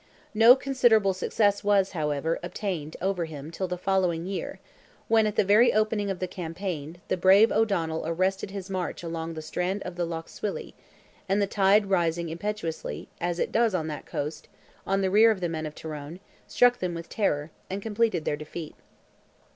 No considerable success was, however, obtained over him till the following year, when, at the very opening of the campaign, the brave O'Donnell arrested his march along the strand of the Lough Swilly, and the tide rising impetuously, as it does on that coast, on the rear of the men of Tyrone, struck them with terror, and completed their defeat.